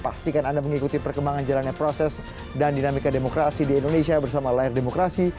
pastikan anda mengikuti perkembangan jalannya proses dan dinamika demokrasi di indonesia bersama layar demokrasi